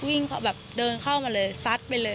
วิ่งเขาเดินเข้ามาเลยซัดไปเลย